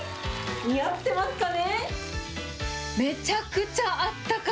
似合ってますかね。